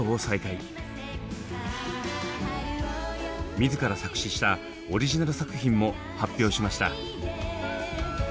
自ら作詞したオリジナル作品も発表しました。